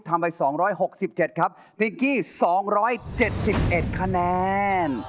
แชมป์กลุ่มนี้คือ